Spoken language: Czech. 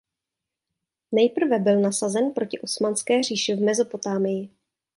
Nejprve byl nasazen proti osmanské říši v Mezopotámii.